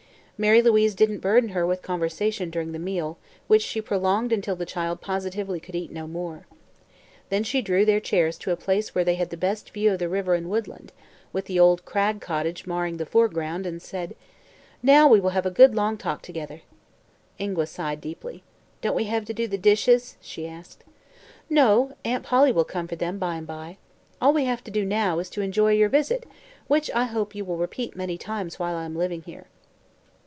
Mary Louise didn't burden her with conversation during the meal, which she prolonged until the child positively could eat no more. Then she drew their chairs to a place where they had the best view of the river and woodland with the old Cragg cottage marring the foreground and said: "Now we will have a good, long talk together." Ingua sighed deeply. "Don't we hev to do the dishes?" she asked. "No; Aunt Polly will come for them, by and by. All we have to do now is to enjoy your visit, which I hope you will repeat many times while I am living here."